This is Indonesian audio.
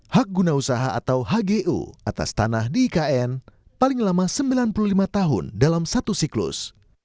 hak guna usaha atau hgu atas tanah di ikn paling lama sembilan puluh lima tahun dalam satu siklus